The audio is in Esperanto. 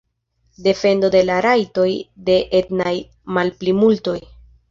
Defendo de la rajtoj de etnaj malplimultoj.